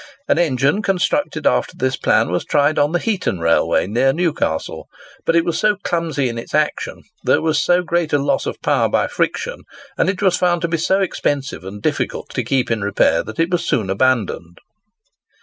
An engine, constructed after this plan, was tried on the Heaton Railway, near Newcastle; but it was so clumsy in its action, there was so great a loss of power by friction, and it was found to be so expensive and difficult to keep in repair, that it was soon abandoned.